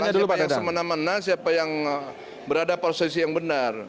siapa yang semena mena siapa yang berada prosesi yang benar